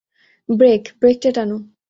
Break, ব্রেকটা টানো!